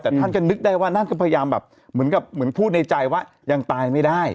แต่ท่านก็นึกได้ว่าท่านก็พยายามแบบเหมือนกับเหมือนพูดในใจว่ายังตายไม่ได้